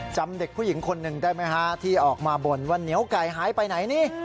จำเด็กผู้หญิงคนหนึ่งได้ไหมฮะที่ออกมาบ่นว่าเหนียวไก่หายไปไหนนี่